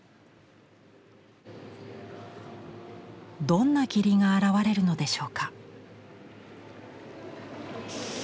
どんな霧が現れるのでしょうか。